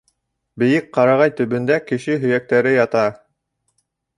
Бейек ҡарағай төбөндә кеше һөйәктәре ята.